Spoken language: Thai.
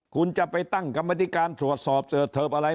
คุณจะไปตั้งกรรมธิการตรวจสอบเสิร์ฟเทิบอะไร